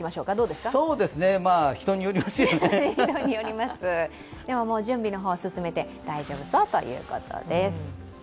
でも、準備の方を進めて大丈夫宋ということです。